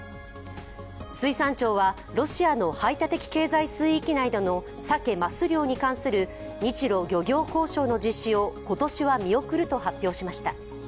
水産庁は、ロシアの排他的経済水域内でのサケ・マス漁に関する日ロ漁業交渉の実施を今年は見送ると発表しました。